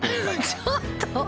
ちょっと。